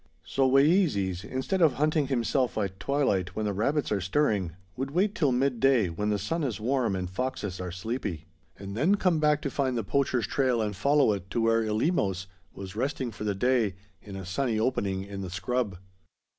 So Wayeeses, instead of hunting himself at twilight when the rabbits are stirring, would wait till midday, when the sun is warm and foxes are sleepy, and then come back to find the poacher's trail and follow it to where Eleemos was resting for the day in a sunny opening in the scrub.